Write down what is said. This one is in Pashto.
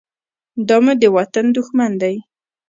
دا مو د وطن دښمن دى.